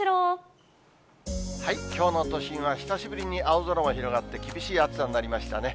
きょうの都心は、久しぶりに青空が広がって厳しい暑さになりましたね。